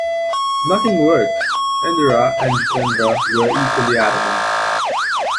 Nothing worked; Indira and Jitendra were equally adamant.